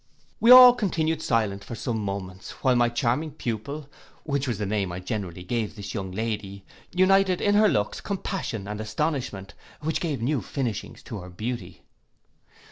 We all continued silent for some moments, while my charming pupil, which was the name I generally gave this young lady, united in her looks compassion and astonishment, which gave new finishings to her beauty.